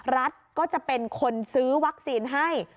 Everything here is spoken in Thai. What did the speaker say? รัฐก็จะเป็นคนซื้อวัคซีนให้